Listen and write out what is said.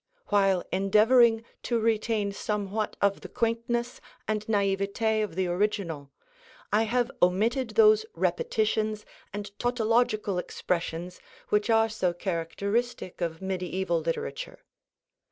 While endeavoring to retain somewhat of the quaintness and naïveté of the original, I have omitted those repetitions and tautological expressions which are so characteristic of mediaeval literature.